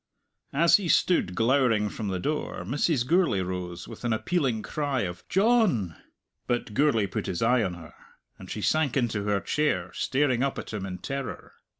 As he stood glowering from the door Mrs. Gourlay rose, with an appealing cry of "John!" But Gourlay put his eye on her, and she sank into her chair, staring up at him in terror.